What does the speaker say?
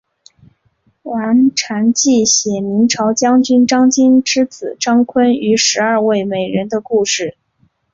玉蟾记写明朝将军张经之子张昆与十二位美人的故事。